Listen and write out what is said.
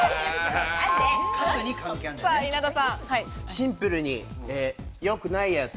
シンプルに、よくないやつ。